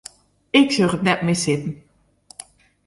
Ik sjoch it net mear sitten.